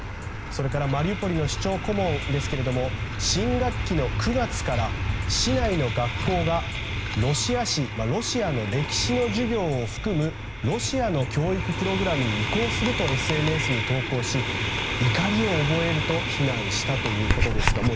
マリウポリの市長顧問は新学期から市内の学校がロシア史の授業を含むロシアの教育プログラムに移行するとＳＮＳに投稿し、怒りを覚えると非難したということです。